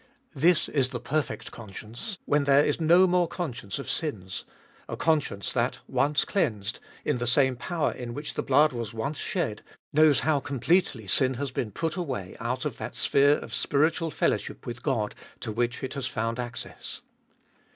This is the perfect conscience — when there is no more conscience of sins — a conscience that, once cleansed in the same power in which the blood was once shed, knows how completely sin has been put away out of that sphere of spiritual fellowship with God to which it has found access.